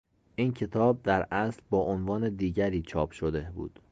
این کتاب در اصل با عنوان دیگری چاپ شده بود.